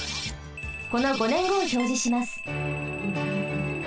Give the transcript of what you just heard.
この５ねんごをひょうじします。